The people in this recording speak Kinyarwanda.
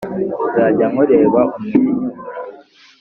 nzajya nkureba umwenyura